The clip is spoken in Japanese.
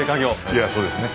いやそうですね。